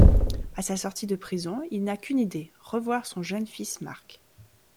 À sa sortie de prison, il n’a qu’une idée, revoir son jeune fils Marc.